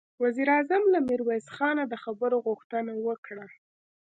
وزير اعظم له ميرويس خانه د خبرو غوښتنه وکړه.